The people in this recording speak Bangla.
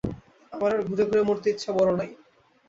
আমার আর ঘুরে ঘুরে মরতে ইচ্ছা বড় নাই।